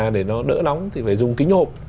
để nó đỡ nóng thì phải dùng kính hộp